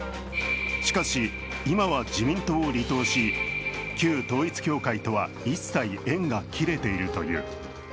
しかし、今は自民党を離党し旧統一教会とは一切、縁が切れているという。